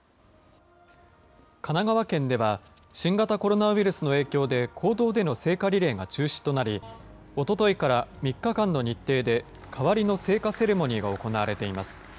神奈川県では、新型コロナウイルスの影響で公道での聖火リレーが中止となり、おとといから３日間の日程で、代わりの聖火セレモニーが行われています。